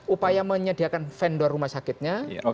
upaya menyediakan vendor rumah sakitnya